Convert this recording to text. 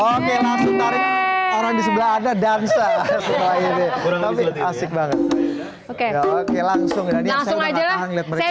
oke langsung dari orang di sebelah ada dan sahabat ini asik banget oke oke langsung langsung aja saya